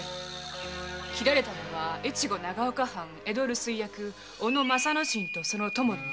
斬られたのは長岡藩江戸留守居役・小野正之進とその供の者。